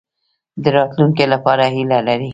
د راتلونکي لپاره هیله لرئ؟